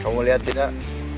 kamu lihat tidak